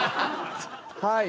はい。